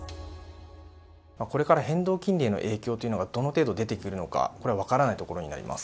これから変動金利の影響というのが、どの程度出てくるのか、これは分からないところになります。